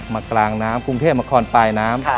มากลางน้ำกรุงเทศมาคลมปลายน้ำ